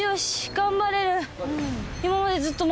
頑張れる。